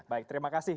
baik terima kasih